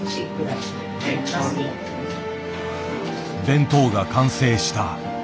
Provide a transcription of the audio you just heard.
弁当が完成した。